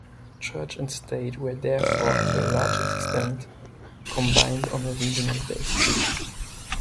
Church and state were therefore, to a large extent, combined on a regional basis.